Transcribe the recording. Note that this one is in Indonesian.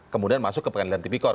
kemudian masuk ke pengadilan tipikor